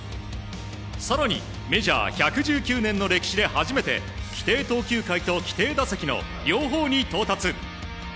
更にメジャー１９０年の歴史で初めて規定投球回と規定打席の両方に到達。